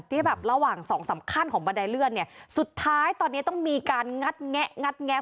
ที่แบบระหว่างสองสามขั้นของบันไดเลื่อนเนี่ยสุดท้ายตอนนี้ต้องมีการงัดแงะงัดแงะ